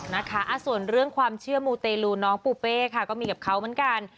นะคะส่วนเรื่องความเชื่อมูเตลูน้องปูเป้ค่ะก็มีกับเขาเหมือนกัน